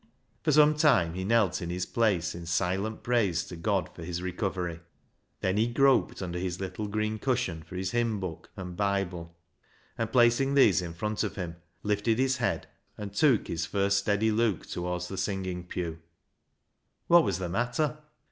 For some time he knelt in his place in silent praise to God for his recovery. Then he groped under his little green cushion for his hymn book and Bible, and, placing these in front of him, lifted his head and took his first steady look towards the singing pew. What was the matter?